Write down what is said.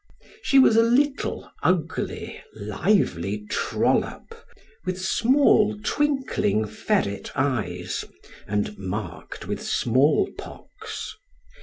She was a little, ugly, lively trollop, with small twinkling ferret eyes, and marked with smallpox.